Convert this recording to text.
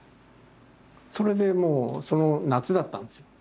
それでもう夏だったんですよ。